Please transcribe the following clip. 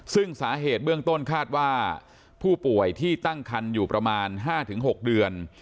ซึ่งสาเหตุเบื้องต้นคาดว่าผู้ป่วยที่ตั้งคันอยู่ประมาณ๕๖เดือน